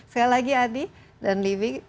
sekali lagi adi dan livi